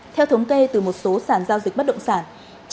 theo thống kê từ một số sản giao dịch bất động sản